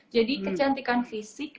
jadi kecantikan fisik